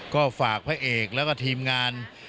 ก็ฝากพระเอกแล้วก็ทีมงาน